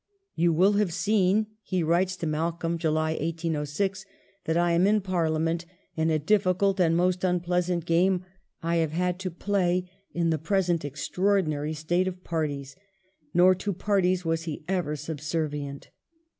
" You will have seen," he writes to Malcolm, July 1806, "that I am in Parlia ment, and a difficult and most unpleasant game I have had to play in the present extraordinary state of parties;" nor to parties was he ever subservient.